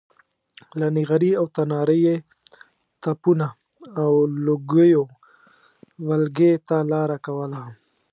له نغري او تناره یې تپونو او لوګیو ولږې ته لاره کوله.